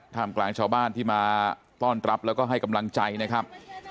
กลางชาวบ้านที่มาต้อนรับแล้วก็ให้กำลังใจนะครับ